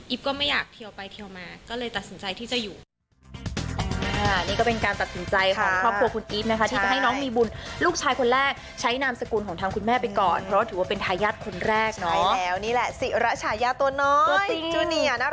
ก็ไม่อยากเทียวไปเทียวมาก็เลยตัดสินใจที่จะอยู่